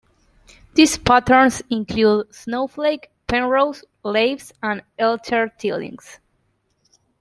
These patterns include snowflake, Penrose, Laves and Altair tilings.